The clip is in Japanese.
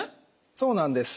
そうなんです。